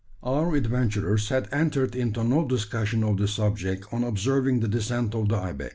Our adventurers had entered into no discussion of this subject on observing the descent of the ibex.